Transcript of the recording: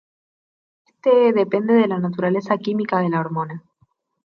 Este depende de la naturaleza química de la hormona.